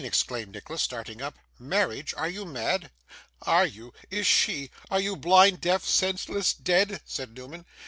exclaimed Nicholas, starting up; 'marriage! are you mad?' 'Are you? Is she? Are you blind, deaf, senseless, dead?' said Newman.